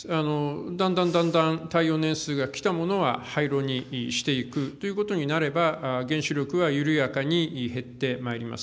だんだんだんだん耐用年数が来たものは廃炉にしていくということになれば、原子力は緩やかに減ってまいります。